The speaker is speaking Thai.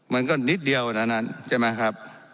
มันก็นิดเดียวนะนั้นใช่ไหมครับ